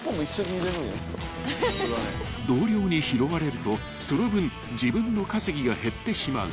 ［同僚に拾われるとその分自分の稼ぎが減ってしまう］